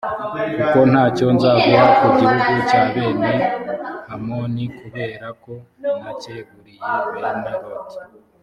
kuko nta cyo nzaguha ku gihugu cya bene hamoni, kubera ko nacyeguriye bene loti.